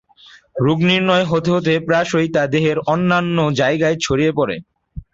রোগ নির্ণয় হতে হতে প্রায়শই তা দেহের অন্যান্য জায়গায় ছড়িয়ে পড়ে।